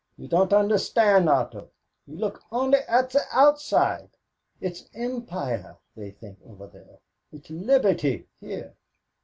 "You don't understand, Otto. You look only at the outside. It's empire they think of over there; it's liberty here.